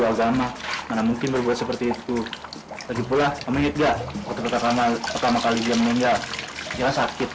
tidak beneran tiga kali pak hanan meninggal tiga kali dia hidup kembali